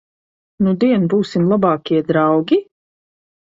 Nudien būsim labākie draugi?